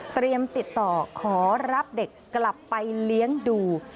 ติดต่อขอรับเด็กกลับไปเลี้ยงดู